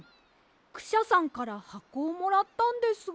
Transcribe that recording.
クシャさんからはこをもらったんですが。